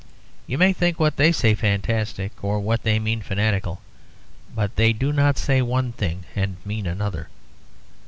You may think what they say fantastic, or what they mean fanatical, but they do not say one thing and mean another.